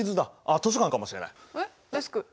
えっデスク！